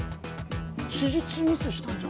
手術ミスしたんじゃ？